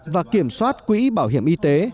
và kiểm soát quỹ bảo hiểm y tế